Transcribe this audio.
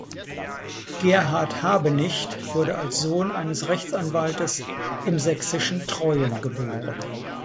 Gerhart Habenicht wurde als Sohn eines Rechtsanwaltes im sächsischen Treuen geboren.